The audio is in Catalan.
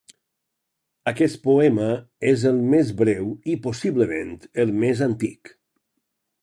Aquest poema és el més breu i, possiblement, el més antic.